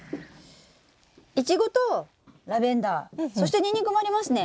イチゴとラベンダーそしてニンニクもありますね。